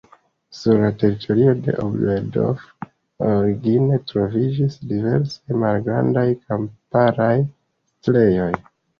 Sur la teritorio de Oberdorf origine troviĝis diversaj malgrandaj kamparaj setlejoj.